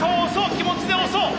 気持ちで押そう！